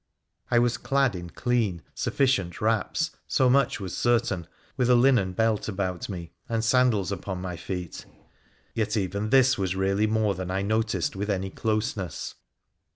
I was clad in clean, sufficient wraps, so much was certain, with a linen belt about me, and sandals upon my feet ; yet even this was really more than I noticed with any closeness.